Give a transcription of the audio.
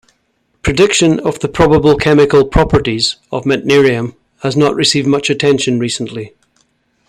Prediction of the probable chemical properties of meitnerium has not received much attention recently.